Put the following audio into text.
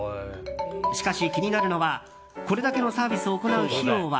しかし、気になるのはこれだけのサービスを行う費用は